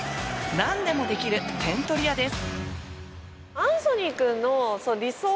何でもできる点取り屋です。